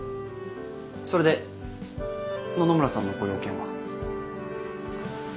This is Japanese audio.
それで野々村さんのご用件は？